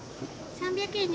３００円ですね。